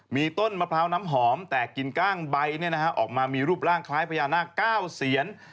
มีต้นมะพร้าวน้ำหอมแต่กินกล้างใบออกมามีรูปร่างคล้ายพญานาค๙เสียน